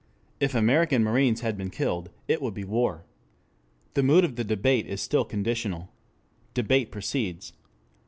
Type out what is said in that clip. If American marines had been killed, it would be war. The mood of the debate is still conditional. Debate proceeds.